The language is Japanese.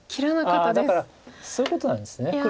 ああだからそういうことなんです黒